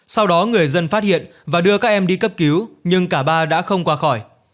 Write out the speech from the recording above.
sau đó người dân phát hiện và đưa các em đi cấp cứu nhưng cả ba đã không qua khỏi